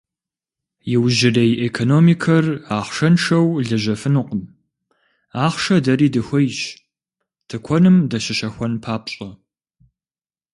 Иужьрей экономикэр ахъшэншэу лэжьэфынукъым, ахъшэ дэри дыхуейщ, тыкуэным дыщыщэхуэн папщӏэ.